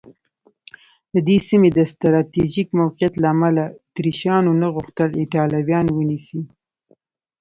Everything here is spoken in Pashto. د دې سیمې د سټراټېژیک موقعیت له امله اتریشیانو نه غوښتل ایټالویان ونیسي.